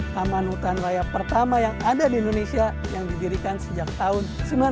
taman hutan raya pertama yang ada di indonesia yang didirikan sejak tahun seribu sembilan ratus sembilan puluh